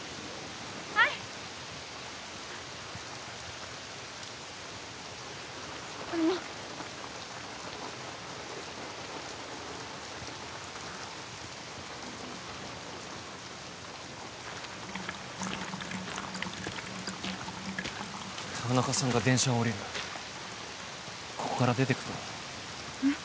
はいこれも田中さんが電車を降りるここから出ていくとえっ？